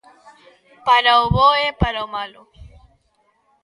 Para o bo e para o malo.